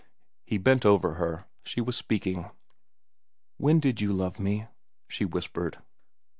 He bent over her. She was speaking. "When did you love me?" she whispered.